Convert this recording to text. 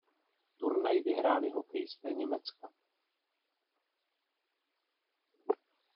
Turnaj vyhráli hokejisté Německa.